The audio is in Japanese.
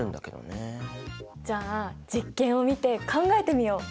じゃあ実験を見て考えてみよう。